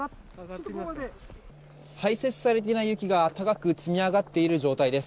排雪されていない雪が高く積み上がっている状態です。